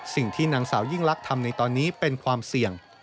สิ่งที่นางสาวยิ่งลักษณ์ทำในตอนนี้เป็นความเสี่ยง